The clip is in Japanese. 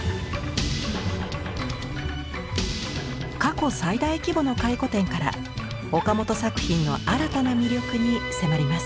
過去最大規模の回顧展から岡本作品の新たな魅力に迫ります。